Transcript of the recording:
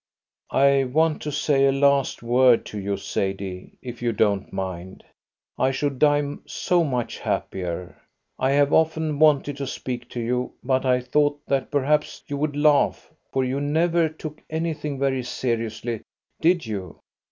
"I want to say a last word to you, Sadie, if you don't mind. I should die so much happier. I have often wanted to speak to you, but I thought that perhaps you would laugh, for you never took anything very seriously, did you?